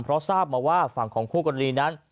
เพราะทราบมาว่าฝั่งของคู่กรณีนั้น